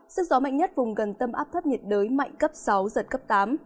sức gió mạnh nhất vùng gần tâm áp thấp nhiệt đới mạnh cấp sáu giật cấp tám